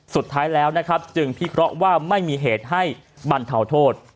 สุดท้ายแล้วนะครับจึงพิเคราะห์ว่าไม่มีเหตุให้บรรเทาโทษ